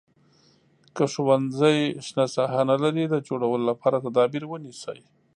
که ښوونځی شنه ساحه نه لري د جوړولو لپاره تدابیر ونیسئ.